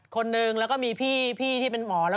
คนหนึ่งแล้วก็มีพี่ที่เป็นหมอ